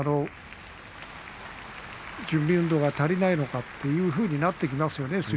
準備運動が足りないのかというふうになってきますよね